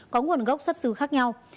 có nguồn gốc xuất xứ khác nhau